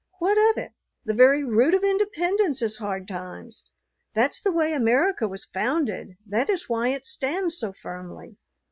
What of it? The very root of independence is hard times. That's the way America was founded; that is why it stands so firmly.